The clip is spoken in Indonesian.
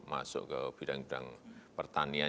masuk ke bidang bidang pertanian